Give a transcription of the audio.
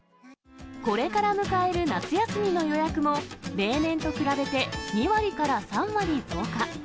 これから迎える夏休みの予約も、例年と比べて２割から３割増加。